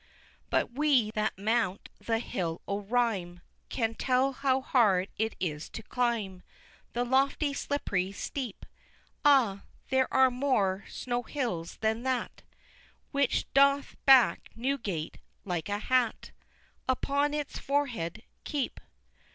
But we, that mount the Hill o' Rhyme, Can tell how hard it is to climb The lofty slippery steep, Ah! there are more Snow Hills than that Which doth black Newgate, like a hat, Upon its forehead, keep.